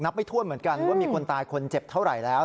ไม่ถ้วนเหมือนกันว่ามีคนตายคนเจ็บเท่าไหร่แล้ว